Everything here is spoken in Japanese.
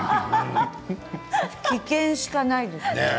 危険しかないです。